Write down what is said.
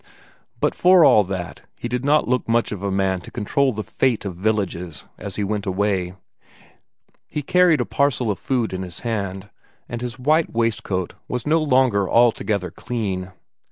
But for all that, he did not look much of a man to control the fate of villages, as he went away. He carried a parcel of food in his hand, and his white waistcoat was no longer altogether clean.